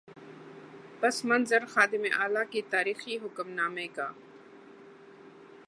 پس منظر خادم اعلی کے تاریخی حکم نامے کا۔